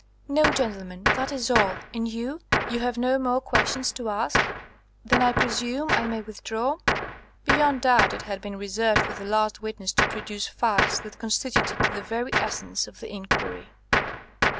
"No, gentlemen. That is all. And you you have no more questions to ask? Then I presume I may withdraw?" Beyond doubt it had been reserved for the last witness to produce facts that constituted the very essence of the inquiry.